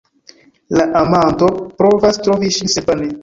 La amanto provas trovi ŝin, sed vane.